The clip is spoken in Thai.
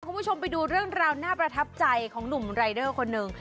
คุณผู้ชมไปดูเรื่องราวน่าประทับใจของหนุ่มรายเดอร์คนหนึ่ง